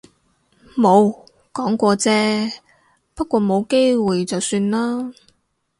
冇，講過啫。不過冇機會就算喇